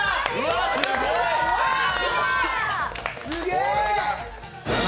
すげえ。